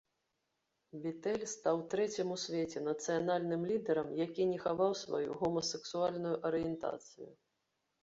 Бетэль стаў трэцім у свеце нацыянальным лідарам, якія не хаваў сваю гомасексуальную арыентацыю.